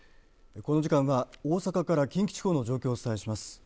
この時間は大阪から近畿地方の状況をお伝えします。